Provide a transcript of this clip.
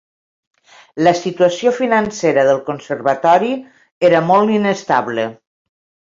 La situació financera del conservatori era molt inestable.